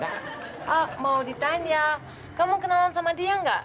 ah mau ditanya kamu kenalan sama dia nggak